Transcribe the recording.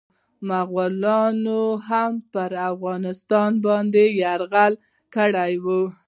مغولانو هم پرافغانستان باندي يرغل کړی و.